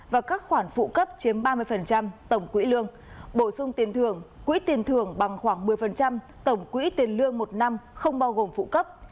và các khoản phụ cấp chiếm ba mươi tổng quỹ lương bổ sung tiền thưởng quỹ tiền thưởng bằng khoảng một mươi tổng quỹ tiền lương một năm không bao gồm phụ cấp